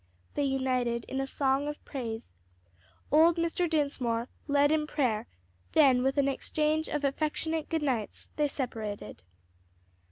They united in a song of praise, old Mr. Dinsmore led in prayer, then with an exchange of affectionate good nights they separated.